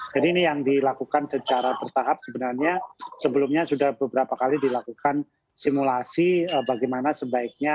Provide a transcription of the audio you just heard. jadi ini yang dilakukan secara bertahap sebenarnya sebelumnya sudah beberapa kali dilakukan simulasi bagaimana sebaiknya